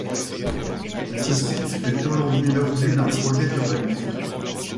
Ce site fait aujourd'hui l'objet d'un projet d'urbanisme.